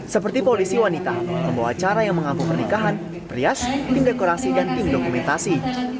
seperti polisi wanita pembawa acara yang mengaku pernikahan priash tim dekorasi dan tim dokumentasi